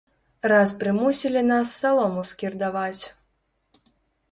Раз прымусілі нас салому скірдаваць.